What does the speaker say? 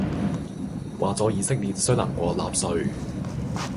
話咗以色列衰能過納粹